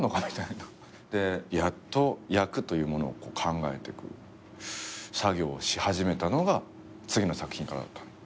みたいな。でやっと役というものを考えてく作業をし始めたのが次の作品からだった。